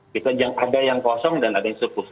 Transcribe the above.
kita yang ada yang kosong dan ada yang surplus